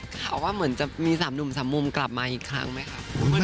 ขอว่าเหมือนจะมีสามหนุ่มสามมุมกลับมาอีกครั้งไหมครับ